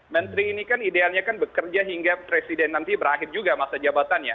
menteri ini kan idealnya kan bekerja hingga presiden nanti berakhir juga masa jabatannya